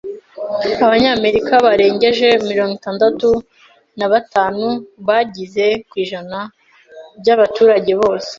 Abanyamerika barengeje mirongo itandatu na batanu bagize .% byabaturage bose.